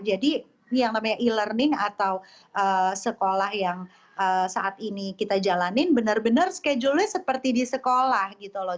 jadi yang namanya e learning atau sekolah yang saat ini kita jalanin benar benar schedule nya seperti di sekolah gitu loh